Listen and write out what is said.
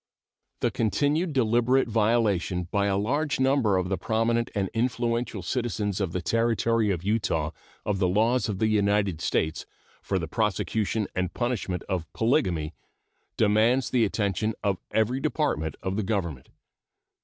The continued deliberate violation by a large number of the prominent and influential citizens of the Territory of Utah of the laws of the United States for the prosecution and punishment of polygamy demands the attention of every department of the Government.